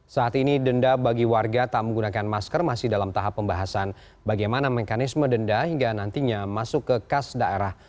saat ini denda bagi warga tak menggunakan masker masih dalam tahap pembahasan bagaimana mekanisme denda hingga nantinya masuk ke kas daerah